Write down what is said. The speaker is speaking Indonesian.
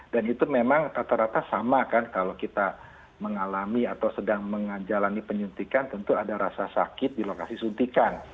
dan itu memang rata rata sama kan kalau kita mengalami atau sedang menjalani penyintikan tentu ada rasa sakit di lokasi suntikan